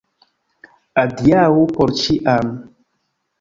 Adiaŭ por ĉiam.